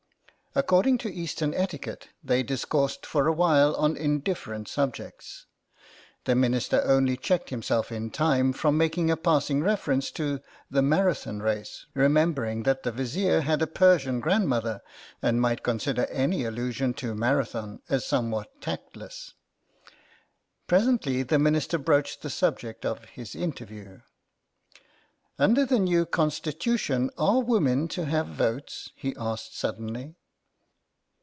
According to Eastern etiquette they dis coursed for a while on indifferent subjects. The Minister only checked himself in time from making a passing reference to the Marathon Race, remembering that the Vizier had a Persian grandmother and might con sider any allusion to Marathon as somewhat tactless. Presently the Minister broached the subject of his interview. " Under the new Constitution are women to have votes ?" he asked suddenly.